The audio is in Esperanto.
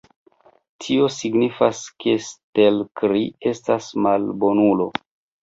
Tio signifas, ke Stelkri estas malbonulo.